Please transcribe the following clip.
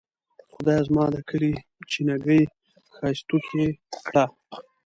خدایه زما د کلي چینه ګۍ ښائستوکې کړه.